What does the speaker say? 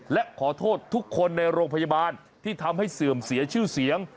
และขอโทษทุกคนในโรงพยาบาลที่ทำให้เสื่อมเสียชื่อเสียง